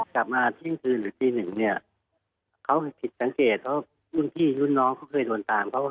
จน๒๓ครั้งจนเอกน้องเอกบอกว่าน้องบิ๊กนะครับ